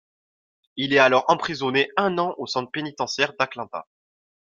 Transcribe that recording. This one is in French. Il est alors emprisonné un an au centre pénitentiaire d'Atlanta.